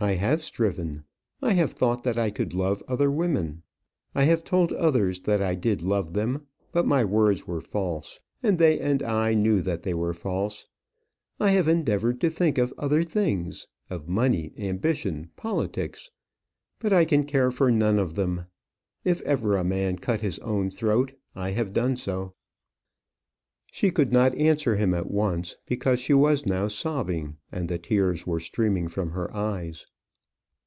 "I have striven. I have thought that I could love other women. I have told others that I did love them; but my words were false, and they and I knew that they were false. I have endeavoured to think of other things of money, ambition, politics; but I can care for none of them. If ever a man cut his own throat, I have done so." She could not answer him at once, because she was now sobbing, and the tears were streaming from her eyes.